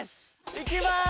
いきます！